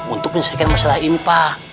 untuk menyelesaikan masalah ini pak